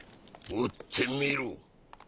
撃ってみろ。